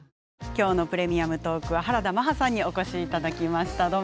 今日の「プレミアムトーク」は原田マハさんにお越しいただきました。